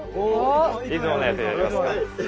いつものやつやりますか。